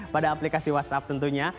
pada aplikasi whatsapp tentunya